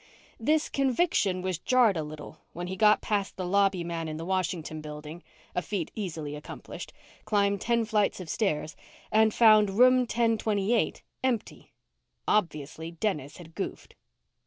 This conviction was jarred a little when he got past the lobby man in the Washington building a feat easily accomplished climbed ten flights of stairs, and found room ten twenty eight empty. Obviously, Dennis had goofed.